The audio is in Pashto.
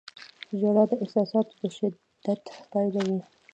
• ژړا د احساساتو د شدت پایله وي.